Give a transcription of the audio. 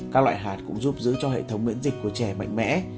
các loại hạt cũng giúp giữ cho hệ thống miễn dịch của trẻ mạnh mẽ